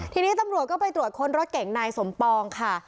ทีนี้ตำรวจก็ไปตรวจค้นรถเก่งนายสมปองค่ะ